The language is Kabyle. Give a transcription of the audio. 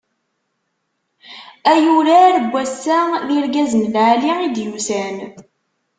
Ay urar n wass-a, d irgazen lɛali i d-yusan.